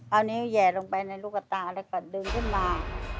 เอานิ้วแห่ลงไปในลูกตาแล้วก็ดึงขึ้นมา